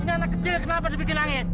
ini anak kecil kenapa dibikin nangis